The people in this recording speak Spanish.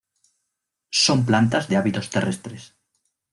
Son plantas de hábitos terrestres.